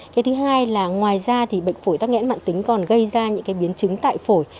cái thứ hai là ngoài ra thì bệnh phổi tắc nghẽn mạng tính còn gây ra những cái biến chứng tại phổi